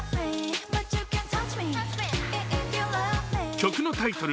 曲のタイトル